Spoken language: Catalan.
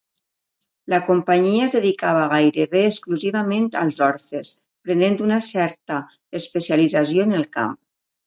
La Companyia es dedicava gairebé exclusivament als orfes, prenent una certa especialització en el camp.